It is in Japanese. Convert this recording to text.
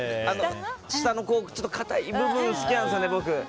下の硬い部分好きなんですよね、僕。